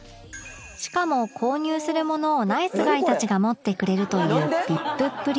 しかも購入するものをナイスガイたちが持ってくれるという ＶＩＰ っぷり